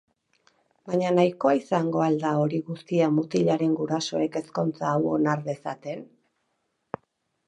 Baina nahikoa izango al da hori guztia mutilaren gurasoek ezkontza hau onar dezaten?